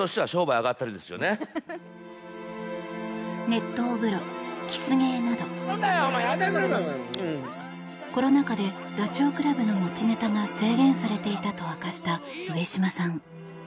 熱湯風呂、キス芸などコロナ禍でダチョウ倶楽部の持ちネタが制限されていたと明かした上島さん。